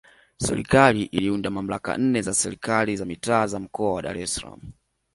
Serikali iliunda mamlaka nne za Serikali za Mitaa za Mkoa wa Dar es Salaam